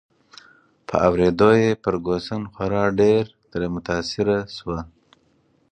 په اوریدو یې فرګوسن خورا ډېر ترې متاثره شوه.